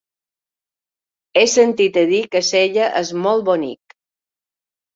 He sentit a dir que Sella és molt bonic.